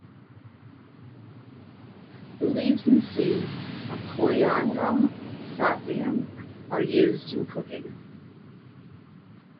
The leaves and seeds of "Coriandrum sativum" are used in cooking.